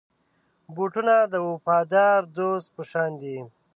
بوټونه د وفادار دوست په شان دي.